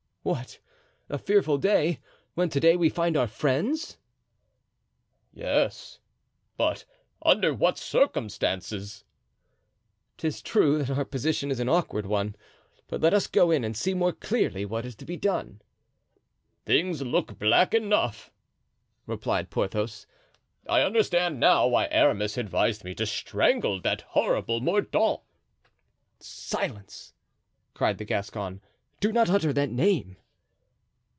"What! a fearful day, when to day we find our friends?" "Yes; but under what circumstances?" "'Tis true that our position is an awkward one; but let us go in and see more clearly what is to be done." "Things look black enough," replied Porthos; "I understand now why Aramis advised me to strangle that horrible Mordaunt." "Silence!" cried the Gascon; "do not utter that name."